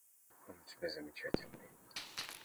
Он у тебя замечательный.